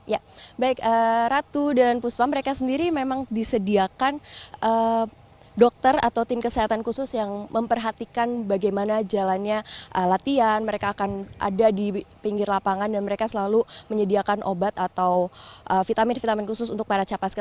ya baik ratu dan puspa mereka sendiri memang disediakan dokter atau tim kesehatan khusus yang memperhatikan bagaimana jalannya latihan mereka akan ada di pinggir lapangan dan mereka selalu menyediakan obat atau vitamin vitamin khusus untuk para capaska